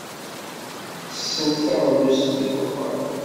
Ttessent taɣlust deg wexxam.